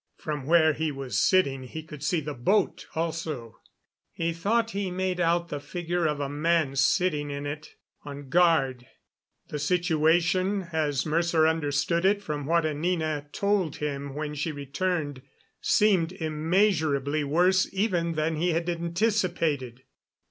From where he was sitting he could see the boat also; he thought he made out the figure of a man sitting in it, on guard. The situation, as Mercer understood it from what Anina told him when she returned, seemed immeasurably worse even than he had anticipated.